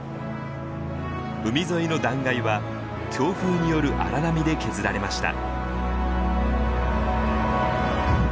海沿いの断崖は強風による荒波で削られました。